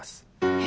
え？